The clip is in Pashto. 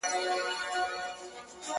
زه به سم آباد وطنه بس چي ته آباد سې,